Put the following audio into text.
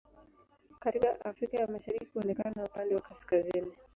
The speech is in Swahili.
Katika Afrika ya Mashariki huonekana upande wa kaskazini.